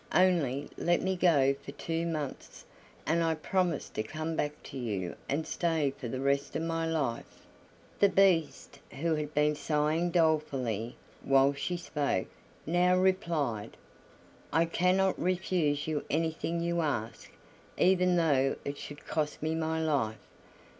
Only let me go for two months, and I promise to come back to you and stay for the rest of my life." The Beast, who had been sighing dolefully while she spoke, now replied: "I cannot refuse you anything you ask, even though it should cost me my life.